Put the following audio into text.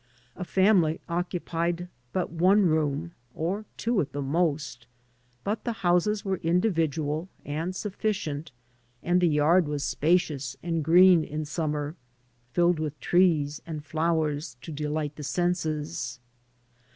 jA family occupied but one room, or two at the most; i but the houses were individual and sufficient, and the yard was spacious and green in summer, filled with trees and flowers to delight the senses.